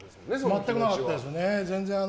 全くなかったですね。